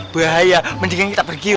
bahaya mendingan kita pergi